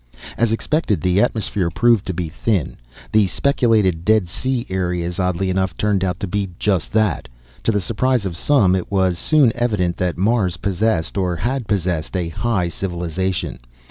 As expected the atmosphere proved to be thin. The speculated dead sea areas, oddly enough, turned out to be just that. To the surprise of some, it was soon evident that Mars possessed, or had possessed, a high civilization.